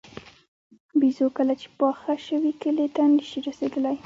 بېزو کله چې پاخه شوي کیلې ته نه شي رسېدلی.